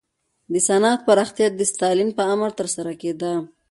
د صنعت پراختیا د ستالین په امر ترسره کېده.